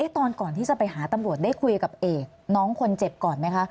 ตอนก่อนที่จะไปหาตำรวจได้คุยกับเอกน้องคนเจ็บก่อนไหมคะ